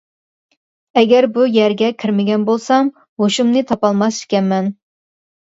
ئەگەر بۇ يەرگە كىرمىگەن بولسام، ھوشۇمنى تاپالماس ئىكەنمەن.